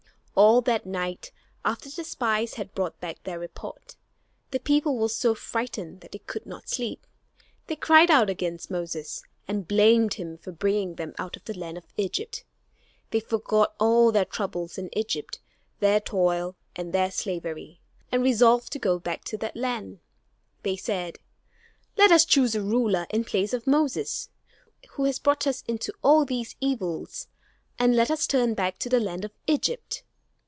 All that night, after the spies had brought back their report, the people were so frightened that they could not sleep. They cried out against Moses, and blamed him for bringing them out of the land of Egypt. They forgot all their troubles in Egypt, their toil and their slavery, and resolved to go back to that land. They said: "Let us choose a ruler in place of Moses, who has brought us into all these evils, and let us turn back to the land of Egypt!"